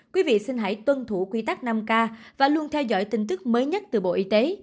quý vị xin hãy tuân thủ quy tắc năm k và luôn theo dõi tin tức mới nhất từ bộ y tế